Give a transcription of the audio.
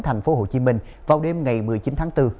thành phố hồ chí minh vào đêm ngày một mươi chín tháng bốn